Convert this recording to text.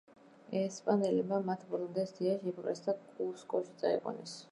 ესპანელებმა მათ ბოლომდე სდიეს, შეიპყრეს და კუსკოში წაიყვანეს.